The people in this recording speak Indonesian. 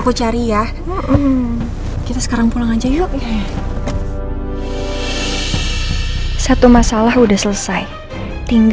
kenapa diam din